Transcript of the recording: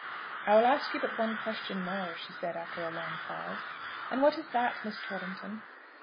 "I will ask you but one question more," said she after a long pause. "And what is that, Miss Torrington?"